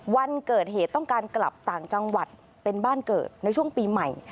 วันเกิดเหตุต้องการกลับต่างจังหวัดเป็นบ้านเกิดในช่วงปีใหม่